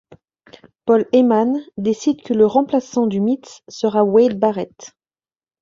Paul Heyman décide que le remplaçant du Miz sera Wade Barrett.